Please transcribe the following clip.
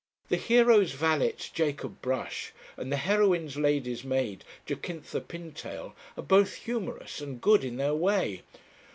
The hero's valet, Jacob Brush, and the heroine's lady's maid, Jacintha Pintail, are both humorous and good in their way.